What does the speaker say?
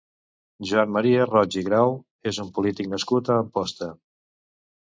Joan Maria Roig i Grau és un polític nascut a Amposta.